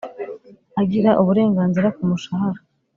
agira uburenganzira ku mushahara,